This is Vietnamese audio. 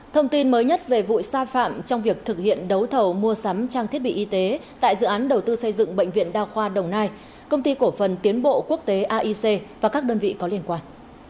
thông tin mới nhất về vụ sai phạm trong việc thực hiện đấu thầu mua sắm trang thiết bị y tế tại dự án đầu tư xây dựng bệnh viện đa khoa đồng nai công ty cổ phần tiến bộ quốc tế aic và các đơn vị có liên quan